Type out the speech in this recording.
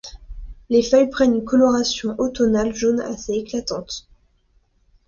Les feuilles prennent une coloration automnale jaune assez éclatante.